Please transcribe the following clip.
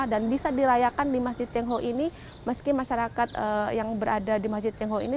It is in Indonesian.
dan bisa dirayakan di masjid cengho ini meski masyarakat yang berada di masjid cengho ini